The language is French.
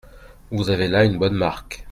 Vous avez là une bonne marque.